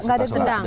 nggak ada sedang